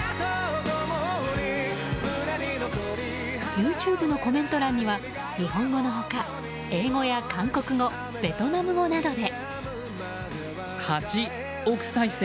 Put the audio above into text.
ＹｏｕＴｕｂｅのコメント欄には、日本の他英語や韓国語ベトナム語などで。